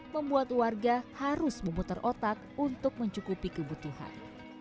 membuat warga harus memutar otak untuk mencukupi kebutuhan